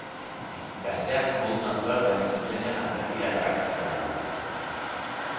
Gazteak modu natural baina zuzenean antzerkira erakartzea da helburua.